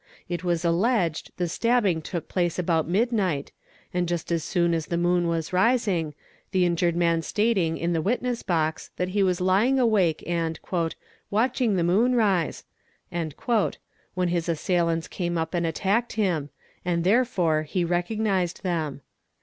It was alleged the stabbing took place about mid night and just as the moon was rising, the injured man stating in the witness box that he was lying awake andi 'watching the moon rise" when his assailants came up and attacked him, and therefore he recognized them.